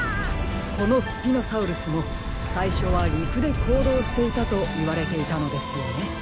このスピノサウルスもさいしょはりくでこうどうしていたといわれていたのですよね。